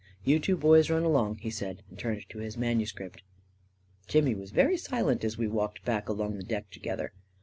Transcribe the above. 11 You two boys run along," he said, and turned to bis manuscript. Jimmy was very silent as we walked back along the deck together.